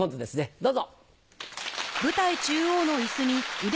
どうぞ！